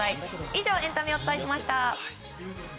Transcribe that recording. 以上エンタメをお伝えしました。